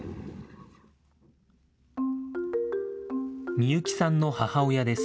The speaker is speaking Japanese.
みゆきさんの母親です。